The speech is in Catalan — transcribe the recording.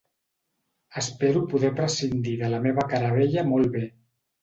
Espero poder prescindir de la meva cara vella molt bé.